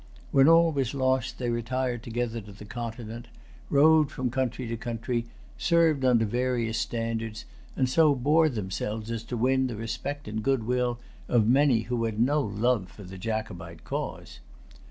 When all was lost they retired together to the Continent, roved from country to country, served under various standards, and so bore themselves as to win the respect and good will of many who had no love for the Jacobite cause.